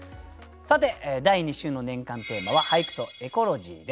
さて第２週の年間テーマは「俳句とエコロジー」です。